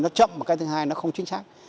nó chậm và cái thứ hai nó không chính xác